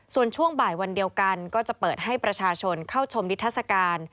ส่วนช่วงบ่ายวันเดียวกันก็จะเปิดให้ประชาชนเข้าชมนิทัศกาล